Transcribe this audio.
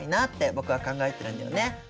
僕は考えてるんだよね。